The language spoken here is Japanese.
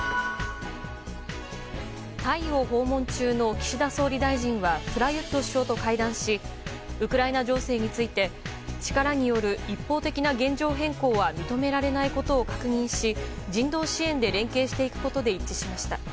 タイを訪問中の岸田総理大臣はプラユット首相と会談しウクライナ情勢について力による一方的な現状変更は認められないことを確認し人道支援で連携していくことで一致しました。